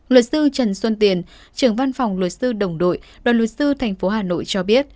luật sư trần xuân tiền trưởng văn phòng luật sư đồng đội đoàn luật sư thành phố hà nội cho biết